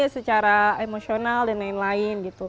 secara emosional dan lain lain gitu